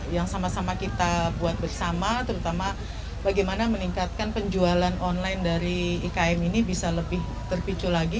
yang sama sama kita buat bersama terutama bagaimana meningkatkan penjualan online dari ikm ini bisa lebih terpicu lagi